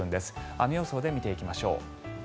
雨予想で見ていきましょう。